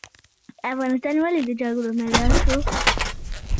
افغانستان ولې د جګړو میدان شو؟